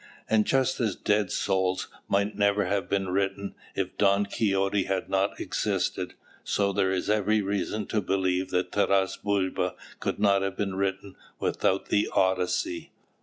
And just as "Dead Souls" might never have been written if "Don Quixote" had not existed, so there is every reason to believe that "Taras Bulba" could not have been written without the "Odyssey."